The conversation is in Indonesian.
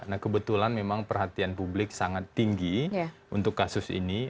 nah kebetulan memang perhatian publik sangat tinggi untuk kasus ini